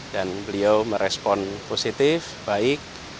dan beliau merespon positif baik